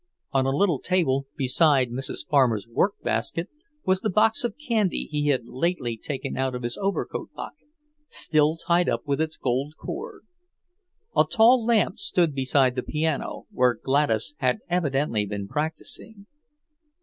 On a little table, beside Mrs. Farmer's workbasket, was the box of candy he had lately taken out of his overcoat pocket, still tied up with its gold cord. A tall lamp stood beside the piano, where Gladys had evidently been practising.